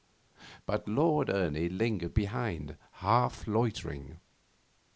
But Lord Ernie lingered behind, half loitering.